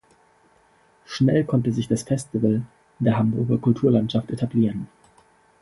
Schnell konnte sich das Festival in der Hamburger Kulturlandschaft etablieren.